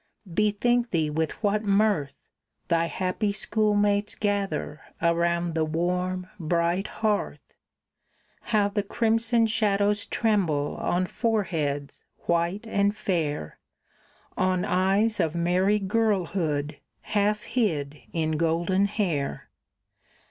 Bethink thee with what mirth Thy happy schoolmates gather around the warm, bright hearth; How the crimson shadows tremble on foreheads white and fair, On eyes of merry girlhood, half hid in golden hair.